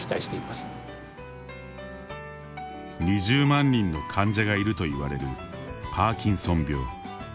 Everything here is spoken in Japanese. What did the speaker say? ２０万人の患者がいるといわれるパーキンソン病。